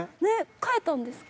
替えたんですか？